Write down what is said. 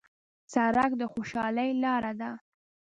سړک د خوشحالۍ لاره ده.